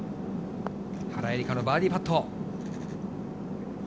原英莉花のバーディーパット。